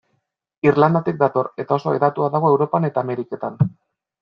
Irlandatik dator, eta oso hedatua dago Europan eta Ameriketan.